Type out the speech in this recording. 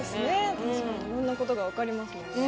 確かにいろんなことが分かりますもんね。